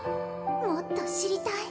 「もっと知りたい」